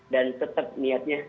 dan tetap niatnya